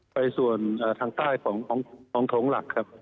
ไปส่วนทางใต้ของโถงหลักครับ